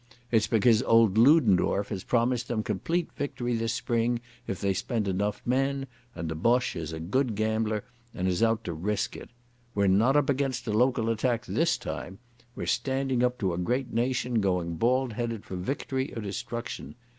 It's because old Ludendorff has promised them complete victory this spring if they spend enough men, and the Boche is a good gambler and is out to risk it. We're not up against a local attack this time. We're standing up to a great nation going bald headed for victory or destruction.